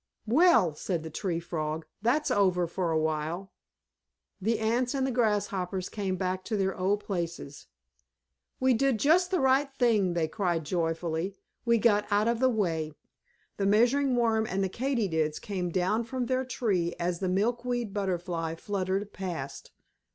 "Well," said the Tree Frog. "That's over for a while." The Ants and the Grasshoppers came back to their old places. "We did just the right thing," they cried joyfully. "We got out of the way." The Measuring Worm and the Katydids came down from their tree as the Milkweed Butterfly fluttered past.